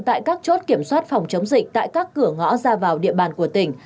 tại các chốt kiểm soát phòng chống dịch tại các cửa ngõ ra vào địa bàn của tỉnh